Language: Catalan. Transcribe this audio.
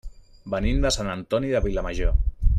Venim de Sant Antoni de Vilamajor.